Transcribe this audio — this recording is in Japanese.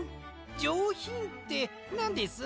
じょうひんってなんです？